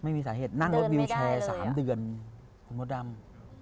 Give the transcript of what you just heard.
ไม่มีสาเหตุนั่งรถวิวแชร์๓เดือนคุณมดดำ